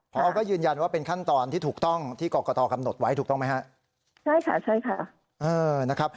พอก็ยืนยันว่าเป็นขั้นตอนที่ถูกต้องที่กรกตกำหนดไว้ถูกต้องไหมฮะใช่ค่ะใช่ค่ะเออนะครับ